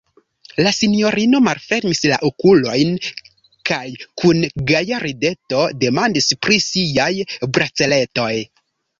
La sinjorino malfermis la okulojn kaj kun gaja rideto demandis pri siaj braceletoj.